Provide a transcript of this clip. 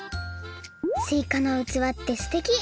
すいかのうつわってすてき。